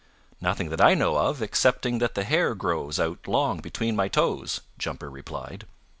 "Nothing that I know of, excepting that the hair grows out long between my toes," Jumper replied.